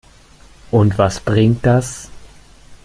Und was bringt das?